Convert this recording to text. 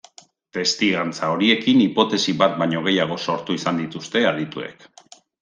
Testigantza horiekin hipotesi bat baino gehiago sortu izan dituzte adituek.